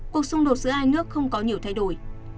cuộc xung đột giữa hai nước không có nhiều thay đổi